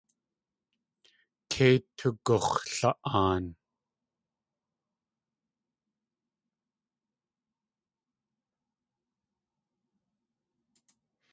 Kei tugux̲la.aan.